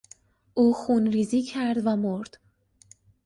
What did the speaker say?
او خونریزی کرد و مرد.